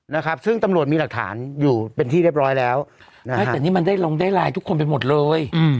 นะครับซึ่งตำรวจมีหลักฐานอยู่เป็นที่เรียบร้อยแล้วนะฮะไม่แต่นี่มันได้ลงได้ไลน์ทุกคนไปหมดเลยอืม